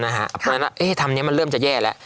ตอนนั้นเอ๊ะทำนี้มันเริ่มจะแย่แล้ว